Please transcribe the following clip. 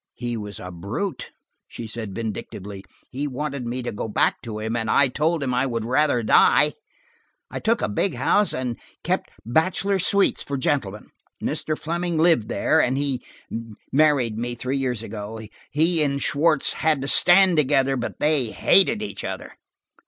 "He was a brute," she said vindictively. "He wanted me to go back to him, and I told him I would rather die. I took a big house, and kept bachelor suites for gentlemen. Mr. Fleming lived there, and–he married me three years ago. He and Schwartz had to stand together, but they hated each other."